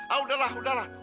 ah udahlah udahlah